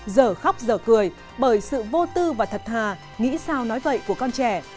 giờ khóc giờ cười bởi sự vô tư và thật thà nghĩ sao nói vậy của con trẻ